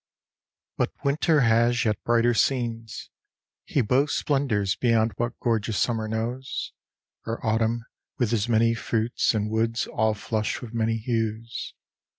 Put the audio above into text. But Winter has yet brighter scenes—he boasts Splendors beyond what gorgeous summer knows; Or Autumn with his many fruits, and woods All flushed with many hues.